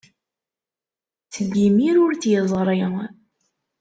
Seg yimir ur tt-yeẓri.